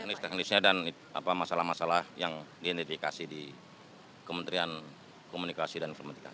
teknis teknisnya dan masalah masalah yang diidentifikasi di kementerian komunikasi dan informatika